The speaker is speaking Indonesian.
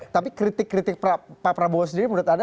tapi kritik kritik pak prabowo sendiri menurut anda